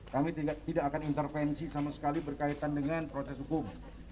kami tidak akan intervensi sama sekali berkaitan dengan proses hukum